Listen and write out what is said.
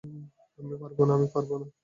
আমি পারব না, আমি পারব না।